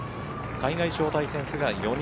海外招待選手が４人。